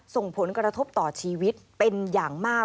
ส่งผลกระทบต่อชีวิตเป็นอย่างมาก